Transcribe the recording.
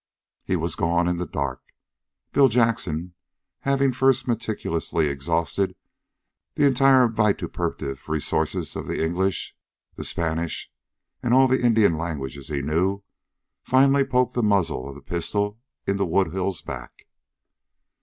He was gone in the dark. Bill Jackson, having first meticulously exhausted the entire vituperative resources of the English, the Spanish and all the Indian languages he knew, finally poked the muzzle of the pistol into Woodhull's back.